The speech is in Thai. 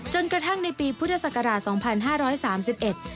จนกระทั่งในปีพุทธศักราช๒๕๓๑